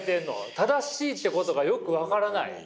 正しいってことがよく分からない。